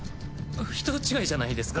人違いじゃないですか？